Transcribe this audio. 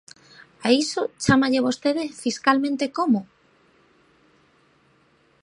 ¿A iso chámalle vostede fiscalmente como?